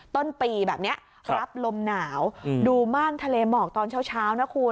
ต้นปีแบบนี้รับลมหนาวดูม่านทะเลหมอกตอนเช้านะคุณ